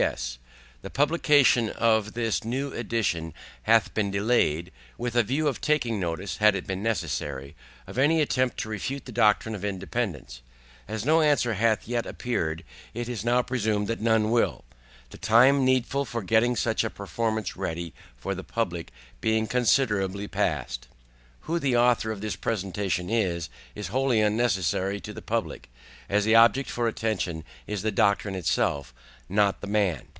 S. The Publication of this new Edition hath been delayed, with a View of taking notice (had it been necessary) of any Attempt to refute the Doctrine of Independance: As no Answer hath yet appeared, it is now presumed that none will, the Time needful for getting such a Performance ready for the Public being considerably past. Who the Author of this Production is, is wholly unnecessary to the Public, as the Object for Attention is the DOCTRINE ITSELF, not the MAN.